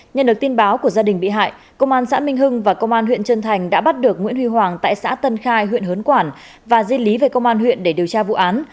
nhận được tin báo của gia đình bị hại công an xã minh hưng và công an huyện trân thành đã bắt được nguyễn huy hoàng tại xã tân khai huyện hớn quản và di lý về công an huyện để điều tra vụ án